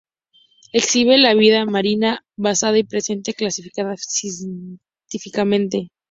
Exhibe la vida marina pasada y presente, clasificada científicamente.